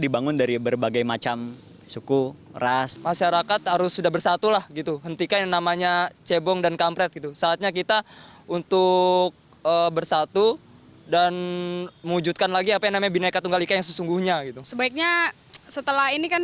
bagaimana cara membuat indonesia menjadi kembang kembang